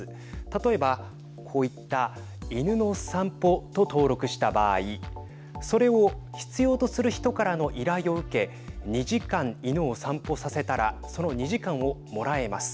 例えば、こういった犬の散歩と登録した場合それを必要とする人からの依頼を受け２時間、犬を散歩させたらその２時間をもらえます。